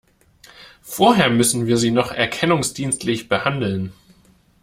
Vorher müssen wir Sie noch erkennungsdienstlich behandeln.